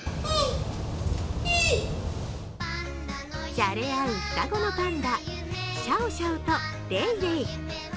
じゃれ合う双子のパンダ、シャオシャオとレイレイ。